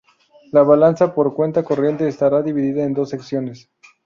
La balanza por cuenta corriente estará dividida en dos secciones.